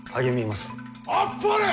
あっぱれ！